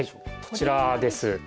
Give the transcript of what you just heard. こちらです。